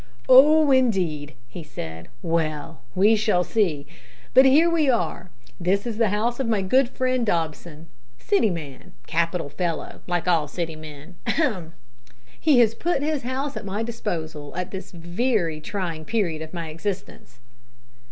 "Oh, indeed!" he said; "well we shall see. But here we are. This is the house of my good friend Dobson. City man capital fellow, like all City men ahem! He has put his house at my disposal at this very trying period of my existence."